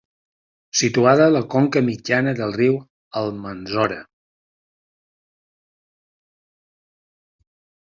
Situada a la conca mitjana del riu Almanzora.